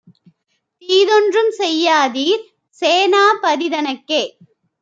தீதொன்றும் செய்யாதீர் சேனா பதிதனக்கே!